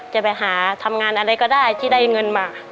จะไปหาทำงานอะไรก็ได้ที่ได้เงินมา